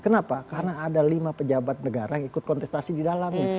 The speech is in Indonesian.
kenapa karena ada lima pejabat negara yang ikut kontestasi di dalam